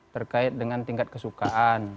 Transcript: terkait dengan tingkat kesukaan